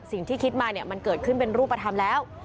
คิดมาเนี่ยมันเกิดขึ้นเป็นรูปธรรมแล้ว